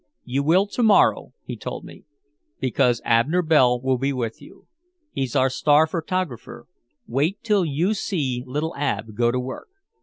"You will to morrow," he told me, "because Abner Bell will be with you. He's our star photographer. Wait till you see little Ab go to work.